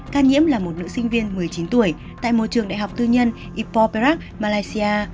ca nhiễm là một nữ sinh viên một mươi chín tuổi tại một trường đại học tư nhân ipo prac malaysia